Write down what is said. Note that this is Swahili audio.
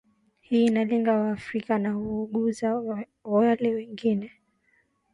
hii inalenga waafrika na haiguzi wale wengine